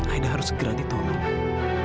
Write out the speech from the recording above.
aida harus segera ditolong